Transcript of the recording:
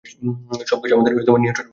সবকিছু আমার নিয়ন্ত্রণের বাইরে চলে যাচ্ছে।